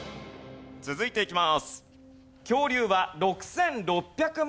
続いていきます。